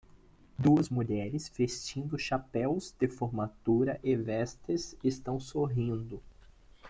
Duas mulheres vestindo chapéus de formatura e vestes estão sorrindo.